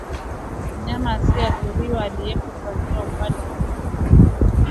Mnyama asiyeathirika aliyeko kuanzia umbali wa mita ishirini huweza kupata homa ya mapafu